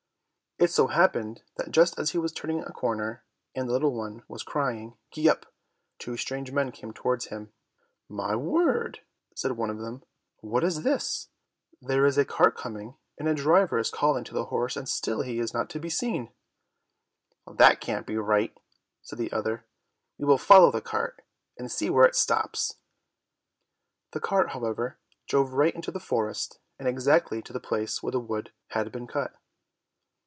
It so happened that just as he was turning a corner, and the little one was crying, "Gee up," two strange men came towards him. "My word!" said one of them, "What is this? There is a cart coming, and a driver is calling to the horse and still he is not to be seen!" "That can't be right," said the other, "we will follow the cart and see where it stops." The cart, however, drove right into the forest, and exactly to the place where the wood had been cut.